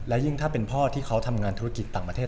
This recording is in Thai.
ยิ่งถ้าเป็นพ่อที่เขาทำงานธุรกิจต่างประเทศ